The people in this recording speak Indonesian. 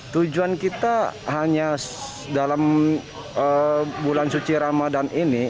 tujuan kita hanya dalam bulan suci ramadan ini